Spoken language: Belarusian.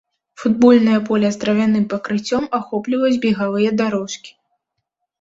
Футбольнае поле з травяным пакрыццём ахопліваюць бегавыя дарожкі.